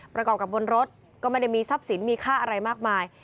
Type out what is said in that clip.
ประกอบกับบนรถก็ไม่ได้มีทรัพย์สินมีค่าอะไรมากมาย